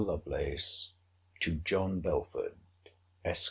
LOVELACE, TO JOHN BELFORD, ESQ.